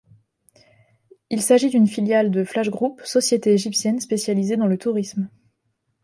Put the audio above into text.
Il s'agit d'une filiale de Flash Group, société égyptienne spécialisée dans le tourisme.